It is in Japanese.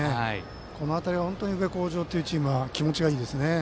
この辺り本当に宇部鴻城というチームは、気持ちがいいですね。